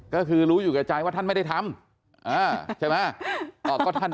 ก็คือรู้อยู่แก่ใจว่าท่านไม่ได้ทำใช่ไหม